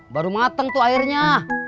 baru mateng tuh airnya